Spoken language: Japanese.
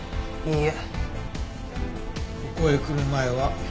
いいえ。